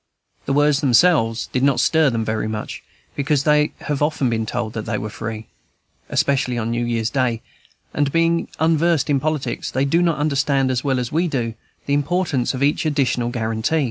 The words themselves did not stir them very much, because they have been often told that they were free, especially on New Year's Day, and, being unversed in politics, they do not understand, as well as we do, the importance of each additional guaranty.